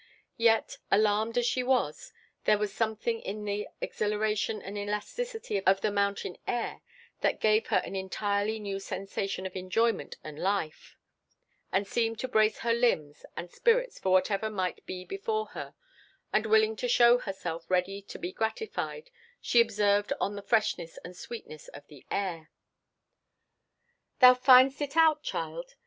Yet, alarmed as she was, there was something in the exhilaration and elasticity of the mountain air that gave her an entirely new sensation of enjoyment and life, and seemed to brace her limbs and spirits for whatever might be before her; and, willing to show herself ready to be gratified, she observed on the freshness and sweetness of the air. "Thou find'st it out, child?